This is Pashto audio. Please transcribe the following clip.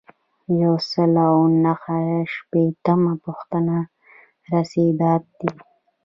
یو سل او نهه شپیتمه پوښتنه رسیدات دي.